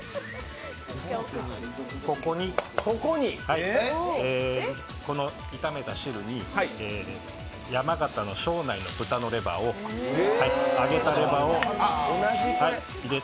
ここに、この炒めた汁に山形の庄内の揚げたレバーを入れて。